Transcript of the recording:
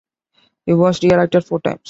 He was re-elected four times.